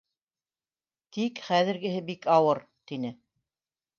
Тик хәҙергеһе бик ауыр... — тине.